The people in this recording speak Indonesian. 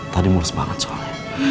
tadi mulus banget soalnya